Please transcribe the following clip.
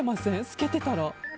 透けてたら。